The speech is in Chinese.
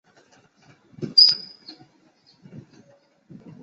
目前担任台北市政府副发言人。